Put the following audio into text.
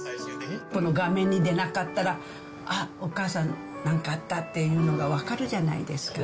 この画面に出なかったら、あっ、お母さんなんかあったっていうのが分かるじゃないですか。